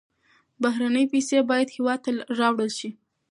بهرنۍ پیسې باید هېواد ته راوړل شي.